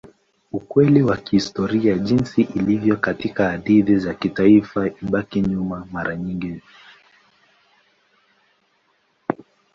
Ukweli wa kihistoria jinsi ilivyo katika hadithi za kitaifa ilibaki nyuma mara nyingi.